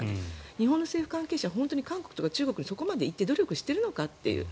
日本の政府関係者はそこまで韓国とか中国に行って努力しているのかと。